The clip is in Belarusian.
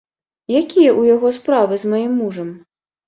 Якія ў яго справы з маім мужам?